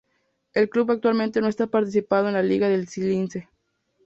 El club actualmente no está participando en la Liga de Lince.